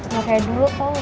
makanya dulu tau mah